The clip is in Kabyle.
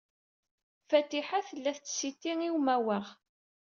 Fatiḥa tella tettsiti i umawaɣ.